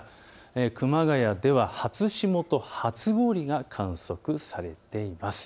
熊谷では初霜と初氷が観測されています。